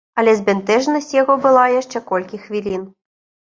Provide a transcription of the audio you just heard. Але збянтэжанасць яго была яшчэ колькі хвілін.